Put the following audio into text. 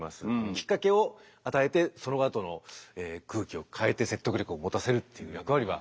きっかけを与えてそのあとの空気を変えて説得力を持たせるっていう役割が。